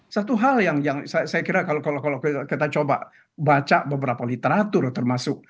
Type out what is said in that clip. satu hal yang saya kira kalau kita coba baca beberapa literatur termasuk